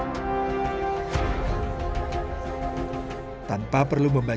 tidak ada yang mencari penulisan buku